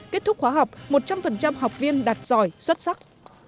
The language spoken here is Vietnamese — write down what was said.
kết thúc khóa học một trăm linh học viên đạt giỏi xuất sắc